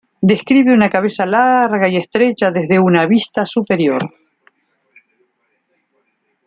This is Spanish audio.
Describe una cabeza larga y estrecha desde una vista superior.